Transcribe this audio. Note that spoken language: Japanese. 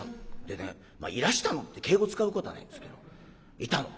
でね「いらしたの」って敬語使うことはないんですけどいたの。